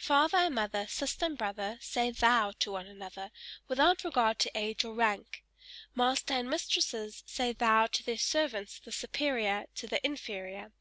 Father and mother, sister and brother say thou to one another without regard to age or rank. Master and mistress say thou to their servants the superior to the inferior.